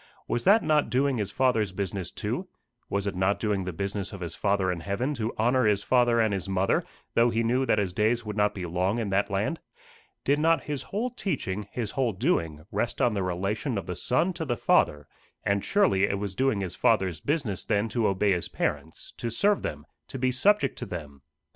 Was that not doing his Father's business too? Was it not doing the business of his Father in heaven to honour his father and his mother, though he knew that his days would not be long in that land? Did not his whole teaching, his whole doing, rest on the relation of the Son to the Father and surely it was doing his Father's business then to obey his parents to serve them, to be subject to them.